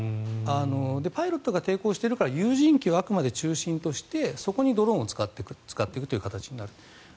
パイロットが抵抗しているから有人機をあくまで中心としてそこにドローンを使っていくという形になる。